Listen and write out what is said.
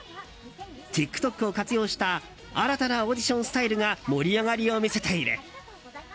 ＴｉｋＴｏｋを活用した新たなオーディションスタイルが盛り上がりを見せている。